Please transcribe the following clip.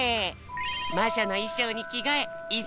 まじょのいしょうにきがえいざ